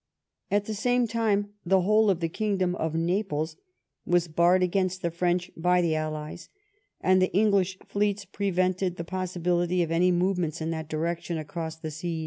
At the same time the whole of the kingdom of Naples was barred against the French by the allies, and the English fleets prevented the pos sibility of any movements in that direction across the sea.